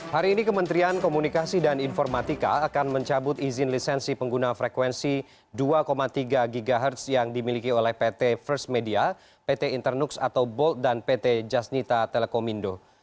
hari ini kementerian komunikasi dan informatika akan mencabut izin lisensi pengguna frekuensi dua tiga ghz yang dimiliki oleh pt first media pt internux atau bold dan pt jasnita telekomindo